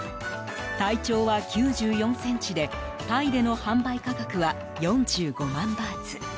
体長は９４ｃｍでタイでの販売価格は４５万バーツ。